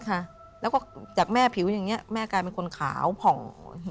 ค่ะแล้วก็จากแม่ผิวอย่างเงี้แม่กลายเป็นคนขาวผ่อง